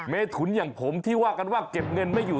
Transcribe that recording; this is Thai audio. เมถุนอย่างผมที่ว่ากันว่าเก็บเงินไม่อยู่